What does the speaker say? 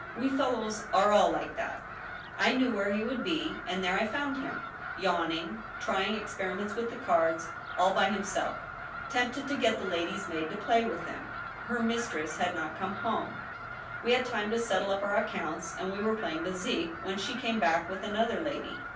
We fellows are all like that ! I knew where he would be, and there AN ILLUMINATIOir. 167 I found him, yawning* trying experiments with the cards, all by himself, ... tempted to get the lady's maid to play with him. Her mistress had not come home. We had time to settle up our ac counts, and we were playing bhique when she came back with an other lady.